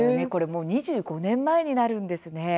２５年前になるんですね。